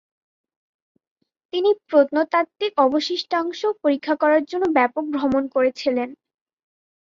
তিনি প্রত্নতাত্ত্বিক অবশিষ্টাংশ পরীক্ষা করার জন্য ব্যাপক ভ্রমণ করেছিলেন।